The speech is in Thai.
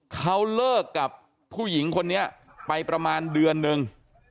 เขาเลิกกับผู้หญิงคนนี้ไปประมาณเดือนนึง